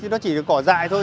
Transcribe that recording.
nó chỉ được cỏ dại thôi